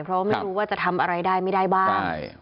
เพราะไม่รู้ว่าจะทำอะไรได้ไม่ได้บ้าง